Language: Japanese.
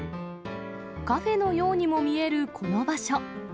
カフェのようにも見えるこの場所。